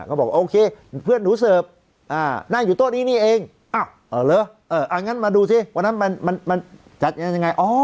อ้าวเออหรือเอออ่ะงั้นมาดูสิวันนั้นมันมันมันมันจัดยังไง